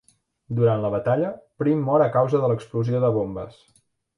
Durant la batalla, Prim mor a causa de l'explosió de bombes.